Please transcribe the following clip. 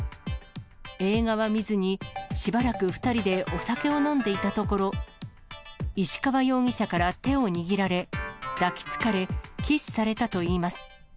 映画は見ずに、しばらく２人でお酒を飲んでいたところ、石川容疑者から手を握られ、抱きつかれ、キスされたといいます。